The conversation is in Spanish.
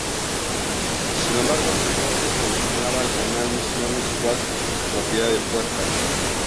Sin embargo, afirmó que se destinaba al canal Misiones Cuatro, propiedad de Puerta.